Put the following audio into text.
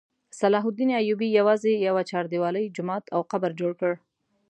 صلاح الدین ایوبي یوازې یوه چاردیوالي، جومات او قبر جوړ کړ.